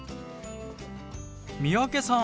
三宅さん